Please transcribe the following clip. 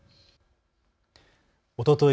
おととい